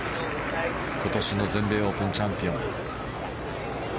今年の全米オープンチャンピオン。